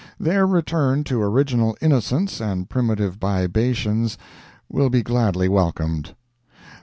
Their return to original innocence and primitive bibations will be gladly welcomed.